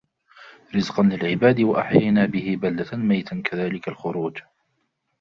رِزْقًا لِلْعِبَادِ وَأَحْيَيْنَا بِهِ بَلْدَةً مَيْتًا كَذَلِكَ الْخُرُوجُ